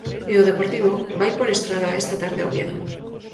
E o Deportivo vai por estrada esta tarde a Oviedo.